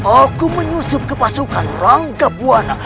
aku menyusup ke pasukan rangga buwana